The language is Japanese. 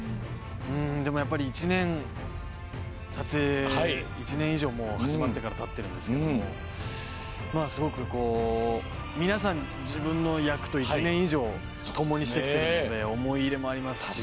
でも、やっぱり撮影１年以上、始まってからたってるんですけどすごく皆さん、自分の役と１年以上、共にしてきているので思い入れもありますし。